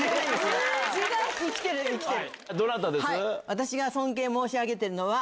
私が尊敬申し上げているのは。